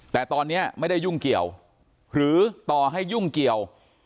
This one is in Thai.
แต่ตอนนี้ไม่ได้ยุ่งเกี่ยวหรือต่อให้ยุ่งเกี่ยว